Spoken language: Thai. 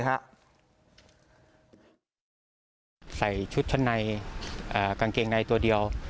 ใส่ชุดชั้นในกางเกงในตัวเดียว